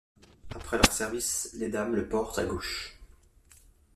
Après leur service les dames le portent à gauche.